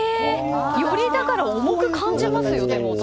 より重く感じますよね。